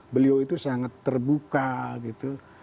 beliau itu sangat terbuka gitu